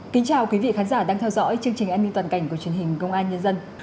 kính chào quý vị khán giả đang theo dõi chương trình an ninh toàn cảnh của truyền hình công an nhân dân